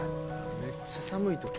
めっちゃ寒い時。